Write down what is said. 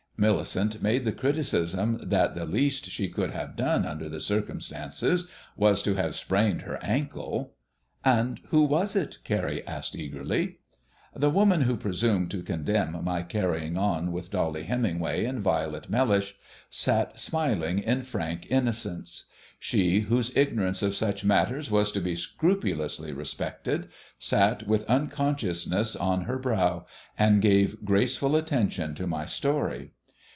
Millicent made the criticism that the least she could have done under the circumstances was to have sprained her ankle. "And who was it?" Carrie asked eagerly. The woman who presumed to condemn my carrying on with Dolly Hemingway and Violet Mellish sat smiling in frank innocence. She, whose ignorance of such matters was to be scrupulously respected, sat with unconsciousness on her brow, and gave graceful attention to my story.